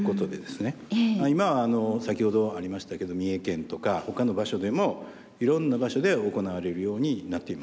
今は先ほどありましたけど三重県とか他の場所でもいろんな場所で行われるようになっています。